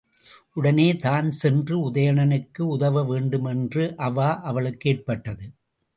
உடனே தான் சென்று உதயணனுக்கு உதவவேண்டும் என்ற அவா அவளுக்கு ஏற்பட்டது.